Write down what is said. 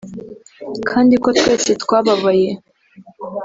kandi ko twese twababaye